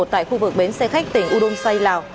tại khu vực bến xe khách tỉnh u đông say lào